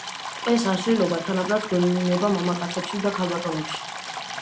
ეს აშლილობა თანაბრად გვევლინება მამაკაცებში და ქალბატონებში.